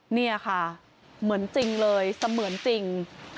นี่ค่ะเหมือนจริงเลยเสมือนจริง